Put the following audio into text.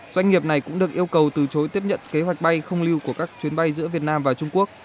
doanh nghiệp này cũng được yêu cầu từ chối tiếp nhận kế hoạch bay không lưu của các chuyến bay giữa việt nam và trung quốc